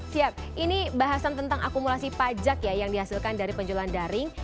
siap ini bahasan tentang akumulasi pajak ya yang dihasilkan dari penjualan daring